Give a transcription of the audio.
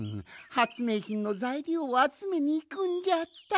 はつめいひんのざいりょうをあつめにいくんじゃった！